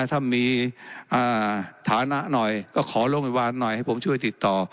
ถ้ามีฐานะหน่อยก็ขอโรงพยาบาลหน่อยให้ผมช่วยติดต่อ